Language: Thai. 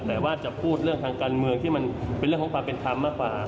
แต่ว่าจะพูดเรื่องทางการเมืองที่มันเป็นเรื่องของความเป็นธรรมมากกว่า